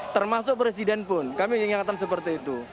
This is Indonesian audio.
termasuk presiden pun kami ingatkan seperti itu